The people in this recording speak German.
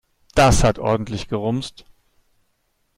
Das hat ordentlich gerumst.